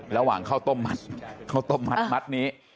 ระหว่างข้าวต้มมัดข้าวต้มมัดนี้